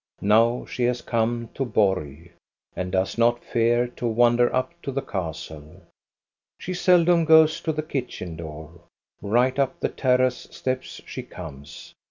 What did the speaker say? Now she has come to Borg, and does not fear to wander up to the castle. She seldom goes to 300 THE STORY OF GOSTA BE RUNG the kitchen door. Right up the terrace steps she comes.